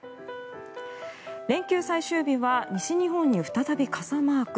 連休最終日は西日本に再び傘マーク。